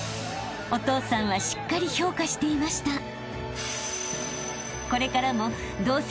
［お父さんはしっかり評価していました］